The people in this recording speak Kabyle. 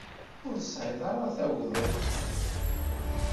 Ur tesεiḍ ara tagdeḍ.